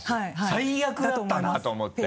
最悪だったなと思って。